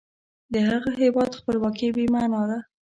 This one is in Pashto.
د هغه هیواد خپلواکي بې معنا ده.